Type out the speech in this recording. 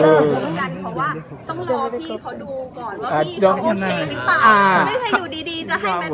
ถ้าคุณคุยว่ายังไงก็จะขอเดือนหน้าตอบ